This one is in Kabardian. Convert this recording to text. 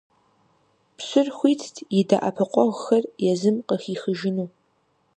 Пщыр хуитт и дэӀэпыкъуэгъухэр езым къыхихыжыну.